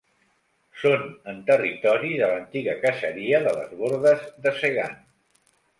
Són en territori de l'antiga caseria de les Bordes de Segan.